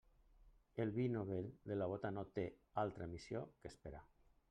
El vi novell de la bóta no té altra missió que esperar.